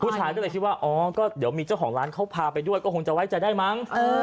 ผู้ชายก็เลยคิดว่าอ๋อก็เดี๋ยวมีเจ้าของร้านเขาพาไปด้วยก็คงจะไว้ใจได้มั้ง